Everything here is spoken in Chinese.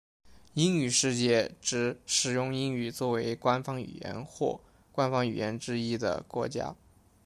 英语世界指使用英语作为官方语言或官方语言之一的国家。